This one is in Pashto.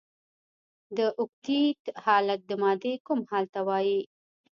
د اوکتیت حالت د مادې کوم حال ته وايي؟